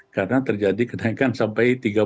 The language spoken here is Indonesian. karena terjadi kenaikan sampai